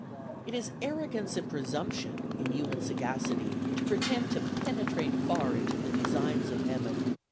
"It is arrogance and presumption, in human sagacity, to pretend to penetrate far into the designs of Heaven.